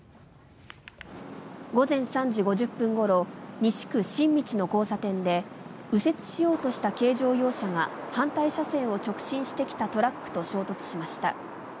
午前３時５０分ごろ西区新道の交差点で右折しようとした軽乗用車が反対車線を直進してきたトラックと衝突しました。